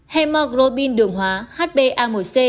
hemoglobin đường hóa hba một c